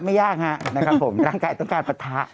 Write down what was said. ไม่ยากฮะนะครับผมร่างกายต้องการปะทะ